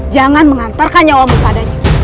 jangan mengantarkan nyawamu padanya